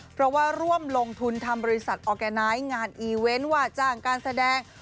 เพราะว่าร่วมลงทุนทำบริษัทออร์แกไนท์งานอีเวนต์ว่าจ้างการแสดง